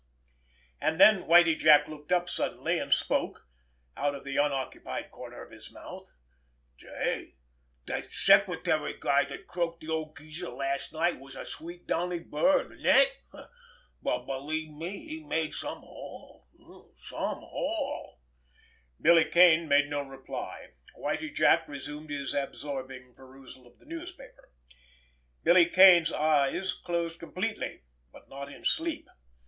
And then Whitie Jack looked up suddenly, and spoke—out of the unoccupied corner of his mouth. "Say, dat secretary guy dat croaked de old geezer last night was a sweet, downy bird—nit! But believe me, he made some haul—some haul!" Billy Kane made no reply. Whitie Jack resumed his absorbing perusal of the newspaper. Billy Kane's eyes closed completely—but not in sleep.